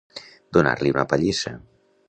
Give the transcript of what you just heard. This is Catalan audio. Donar-li una pallissa.